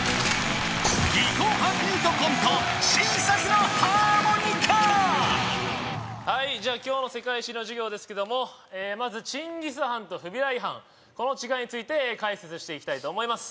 はいはいじゃあ今日の世界史の授業ですけどもまずチンギス・ハンとフビライ・ハンこの違いについて解説していきたいと思います